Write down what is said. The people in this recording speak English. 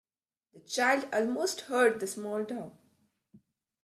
The child almost hurt the small dog.